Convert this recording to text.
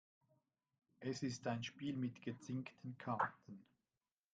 Es ist ein Spiel mit gezinkten Karten.